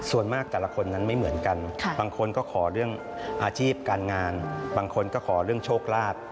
ส่วนมากแต่ละคนนั้นไม่เหมือนกันบางคนก็ขอเรื่องอาชีพการงานบางคนก็ขอเรื่องโชคลาภ